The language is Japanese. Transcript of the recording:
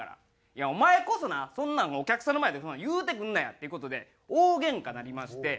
「いやお前こそなそんなんお客さんの前で言うてくんなや」っていう事で大げんかなりまして。